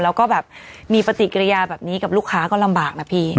แล้วก็แบบมีปฏิกิริยาแบบนี้กับลูกค้าก็ลำบากนะพี่